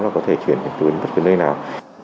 là có thể chuyển đến bất cứ nơi nào